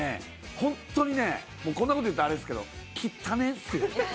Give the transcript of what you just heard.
本当にねこんなこと言ったらあれですけどきったねぇんすよ。